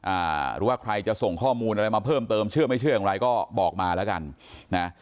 หรือว่าใครจะส่งข้อมูลอะไรมาเพิ่มเติมเชื่อไม่เชื่ออย่างไรก็บอกมาแล้วกันนะ